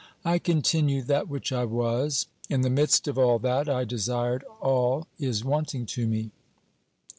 I continue that which I was. In the midst of all that I desired all is wanting to me.